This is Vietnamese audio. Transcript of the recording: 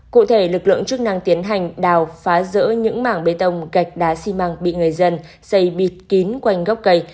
cụ thể lực lượng chức năng tiến hành đào phá rỡ những mảng bê tông gạch đá xi măng bị người dân xây bịt kín quanh gốc cây